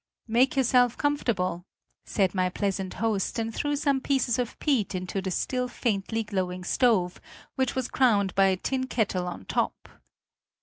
"Make yourself comfortable," said my pleasant host and threw some pieces of peat into the still faintly glowing stove, which was crowned by a tin kettle on top.